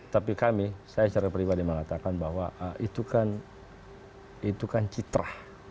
tapi kami saya secara pribadi mengatakan bahwa itu kan citra